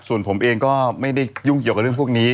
ส่วนผมเองก็ไม่ได้ยุ่งเกี่ยวกับเรื่องพวกนี้